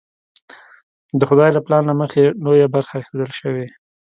د خدای له پلان له مخې لویه برخه ایښودل شوې.